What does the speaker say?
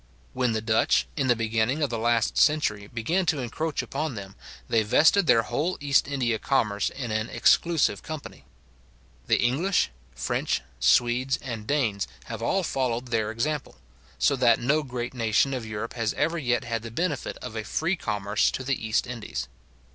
When the Dutch, in the beginning of the last century, began to encroach upon them, they vested their whole East India commerce in an exclusive company. The English, French, Swedes, and Danes, have all followed their example; so that no great nation of Europe has ever yet had the benefit of a free commerce to the East Indies.